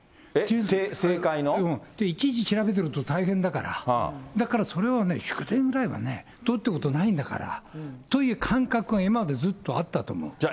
いちいち調べてると大変だから、だからそれはね、祝電ぐらいはね、どうってことないんだからという感覚が今までずっとあったと思う。